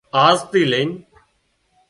آزٿِي لئين